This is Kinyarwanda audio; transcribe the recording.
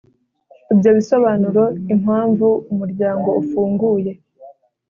Ibyo bisobanura impamvu umuryango ufunguye